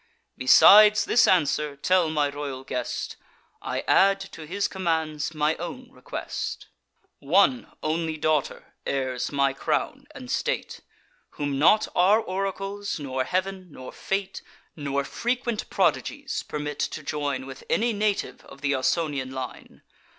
Besides this answer, tell my royal guest, I add to his commands my own request: One only daughter heirs my crown and state, Whom not our oracles, nor Heav'n, nor fate, Nor frequent prodigies, permit to join With any native of th' Ausonian line.